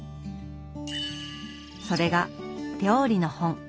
それが料理の本。